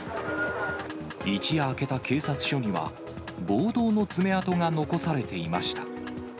一夜明けた警察署には、暴動の爪痕が残されていました。